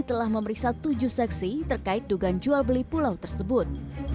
telah memeriksa tujuh seksi terkait dugaan jual beli pulau tersebut